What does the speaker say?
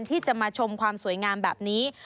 ที่จะมาชมความสวยงามแบบนี้